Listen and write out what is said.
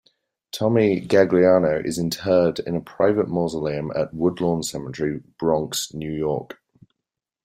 Tommy Gagliano is interred in a private mausoleum at Woodlawn Cemetery, Bronx, New York.